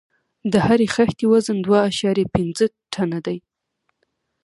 د هرې خښتې وزن دوه اعشاریه پنځه ټنه دی.